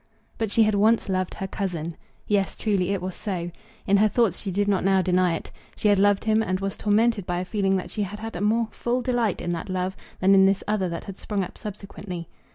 But she had once loved her cousin. Yes, truly it was so. In her thoughts she did not now deny it. She had loved him, and was tormented by a feeling that she had had a more full delight in that love than in this other that had sprung up subsequently.